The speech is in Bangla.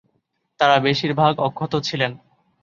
তারা বেশির ভাগ অক্ষত ছিলেন।